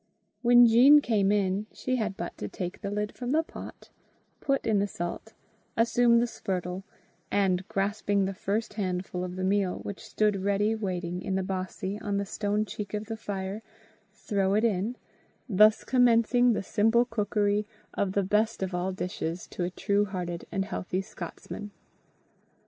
When Jean came in, she had but to take the lid from the pot, put in the salt, assume the spurtle, and, grasping the first handful of the meal, which stood ready waiting in the bossie on the stone cheek of the fire, throw it in, thus commencing the simple cookery of the best of all dishes to a true hearted and healthy Scotsman.